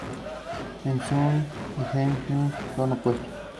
Un "cover" de Kiss llamado "Do You Love Me?